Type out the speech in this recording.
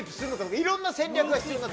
いろんな戦略が必要になる。